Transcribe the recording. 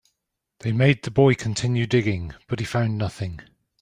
They made the boy continue digging, but he found nothing.